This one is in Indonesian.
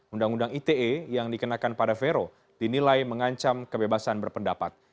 undang undang ite yang dikenakan pada vero dinilai mengancam kebebasan berpendapat